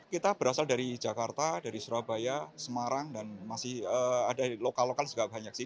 kita berasal dari jakarta dari surabaya semarang dan masih ada lokal lokal juga banyak sih